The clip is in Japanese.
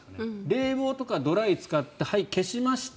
冷房とかドライを使ってはい、消しました。